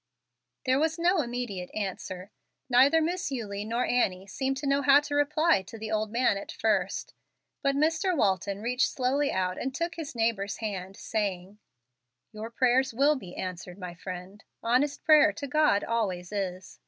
There was no immediate answer. Neither Miss Eulie nor Annie seemed to know how to reply to the old man at first. But Mr. Walton reached slowly out and took his neighbor's hand, saying, "Your prayers will be answered, my friend. Honest prayer to God always is.